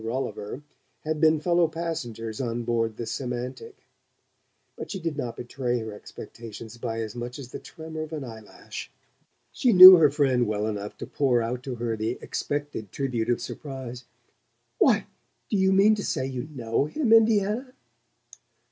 Rolliver had been fellow passengers on board the Semantic. But she did not betray her expectations by as much as the tremor of an eye lash. She knew her friend well enough to pour out to her the expected tribute of surprise. "Why, do you mean to say you know him, Indiana?"